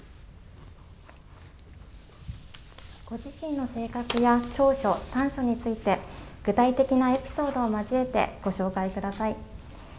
ご自身の性格や長所、短所について具体的なエピソードを交えてご紹介ください。